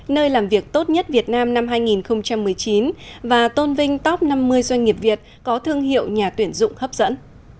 nơi làm việc tốt nhất việt nam năm hai nghìn một mươi chín và tôn vinh top năm mươi doanh nghiệp việt có thương hiệu nhà tuyển dụng hấp dẫn